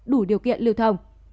đủ điều kiện lưu thông